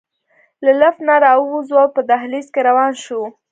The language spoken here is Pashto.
له لفټ نه راووځو او په دهلېز کې روان شو.